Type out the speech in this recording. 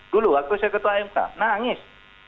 dulu waktu saya ketua mk nangis